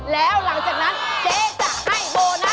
แล้วหลังจากนั้นเจ๊จะให้โบนัส